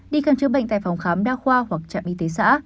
đi khám chữa bệnh tại phòng khám đa khoa hoặc trạm y tế xã